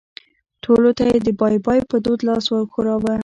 ټولو ته یې د بای بای په دود لاس وښوراوه.